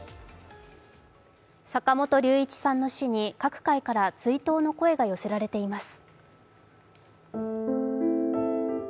坂本龍一さんの死に各界から追悼の声が寄せられています。